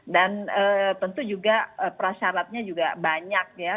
dan tentu juga prasyaratnya juga banyak ya